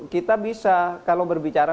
kita bisa kalau berbicara